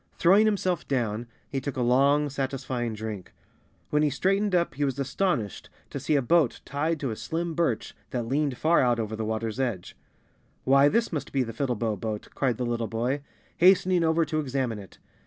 Throwing himself down, he took a long, satisfying drink. When he straightened up he was astonished to see a boat tied to a slim birch that leaned far out over the water's edge. " Why, this must be the Fiddlebow Boat," cried the little boy, hastening over to examine it.